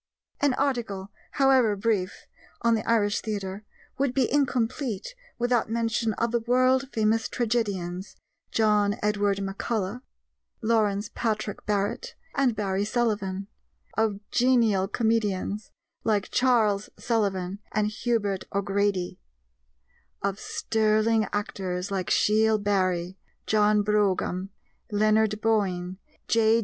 An article, however brief, on the Irish Theatre, would be incomplete without mention of the world famous tragedians, John Edward MacCullough, Lawrence Patrick Barrett, and Barry Sullivan; of genial comedians like Charles Sullivan and Hubert O'Grady; of sterling actors like Shiel Barry, John Brougham, Leonard Boyne, J.